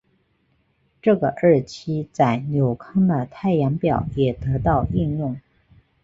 这个日期在纽康的太阳表也得到应用。